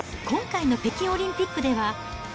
今回の北京オリンピックでは。